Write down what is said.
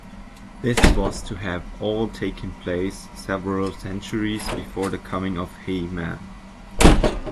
This was to have all taken place several centuries before the coming of He-Man.